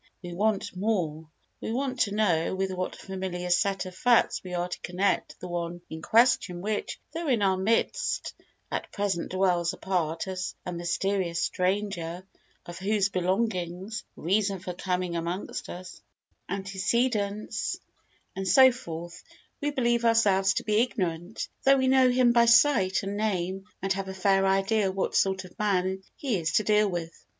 We want more; we want to know with what familiar set of facts we are to connect the one in question which, though in our midst, at present dwells apart as a mysterious stranger of whose belongings, reason for coming amongst us, antecedents, and so forth, we believe ourselves to be ignorant, though we know him by sight and name and have a fair idea what sort of man he is to deal with.